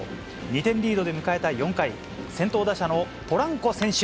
２点リードで迎えた４回、先頭打者のポランコ選手。